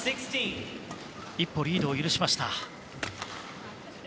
一歩リードを許しました。